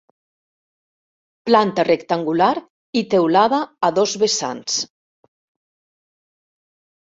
Planta rectangular i teulada a dos vessants.